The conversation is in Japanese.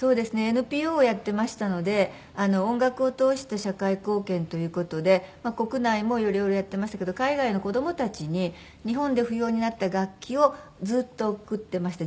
ＮＰＯをやってましたので音楽を通して社会貢献という事で国内も色々やってましたけど海外の子供たちに日本で不要になった楽器をずっと送ってました。